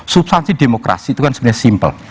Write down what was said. substansi demokrasi itu kan sebenarnya simpel